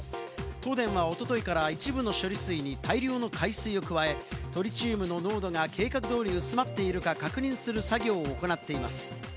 東電はおとといから一部の処理水に大量の海水を加え、トリチウムの濃度が計画通り薄まっているか確認する作業を行っています。